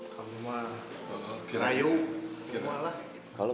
kalo mah rayu mau alah